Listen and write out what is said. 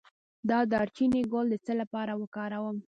د دارچینی ګل د څه لپاره وکاروم؟